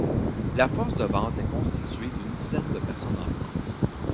La force de vente est constituée d'une dizaine de personnes en France.